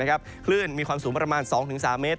คลื่นมีความสูงประมาณ๒๓เมตร